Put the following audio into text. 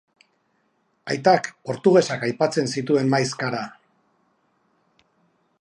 Aitak portugesak aipatzen zituen maiz kara.